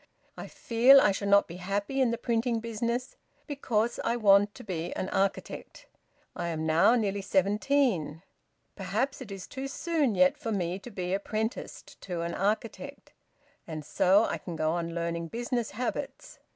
I feel I shall not be happy in the printing business because I want to be an architect. I am now nearly seventeen. Perhaps it is too soon yet for me to be apprenticed to an architect, and so I can go on learning business habits.